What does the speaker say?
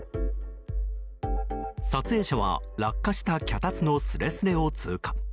撮影者は、落下した脚立のすれすれを通過。